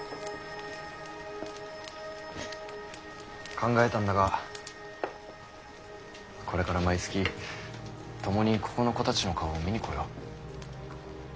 考えたんだがこれから毎月共にここの子たちの顔を見に来よう。